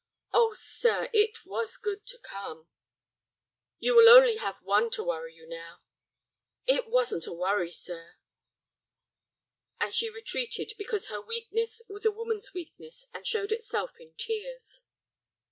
"Oh, sir, it was good to come." "You will only have one to worry you now." "It wasn't a worry, sir." And she retreated because her weakness was a woman's weakness and showed itself in tears.